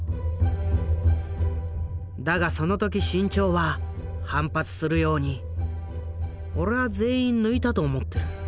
だがその時志ん朝は反発するように「俺は全員抜いたと思ってる。